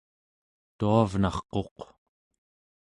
tuavnarquq